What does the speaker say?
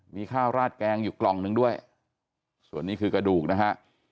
มีข้าวราดแกงอยู่กล่องหนึ่งด้วยส่วนนี้คือกระดูกนะฮะ